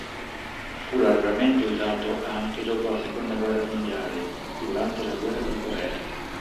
Fu largamente usato anche dopo la seconda guerra mondiale durante la Guerra di Corea.